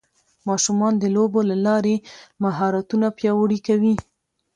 ماشومان د لوبو له لارې مهارتونه پیاوړي کوي